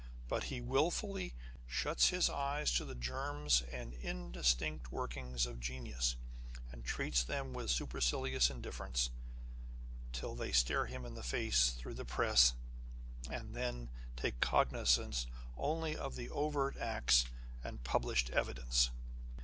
But he wilfully shuts his eyes to the germs and indistinct workings of genius, and treats them with supercilious indifference, till they stare him in the face through the press ; and then takes cognisance only of the overt acts and published evidence.